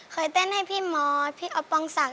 เคยเต้นให้พี่ม้อพี่อัพพองศักดิ์